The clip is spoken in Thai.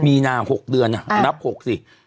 มีนา๖เดือนนับ๖สิ